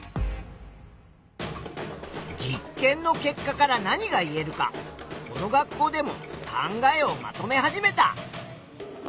実験の結果から何が言えるかこの学校でも考えをまとめ始めた。